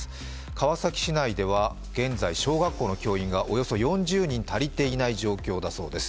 川崎市内では現在、小学校の教員がおよそ４０人足りていない状況だということです。